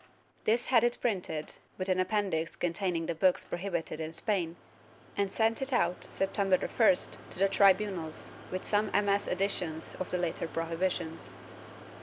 This had it printed, with an Appendix containing the books prohibited in Spain, and sent it out, September 1st, to the tribunals, with some MS. additions of later prohibitions.